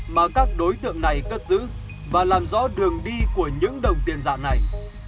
mà các đối tượng này cất giữ và làm rõ đường đi của những đồng tiền giả này